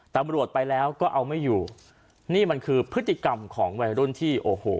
ตำรวจไปแล้วก็เอาไม่อยู่นี่มันคือพฤติกรรมของวัยรุ่นที่โอ้โห